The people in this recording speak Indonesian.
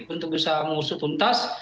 untuk bisa mengusut untas